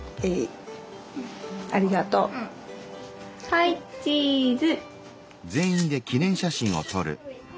はいチーズ。